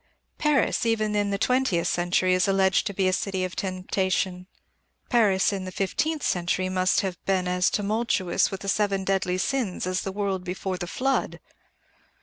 Paris, even in the twentieth century, is alleged to be a city of temptation. Paris, in the fifteenth century, must have been as tumultuous with the seven deadly sins as the world before the Flood.